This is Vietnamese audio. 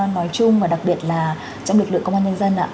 nói chung và đặc biệt là trong lực lượng công an nhân dân ạ